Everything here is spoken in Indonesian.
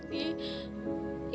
ibu gak usah khawatir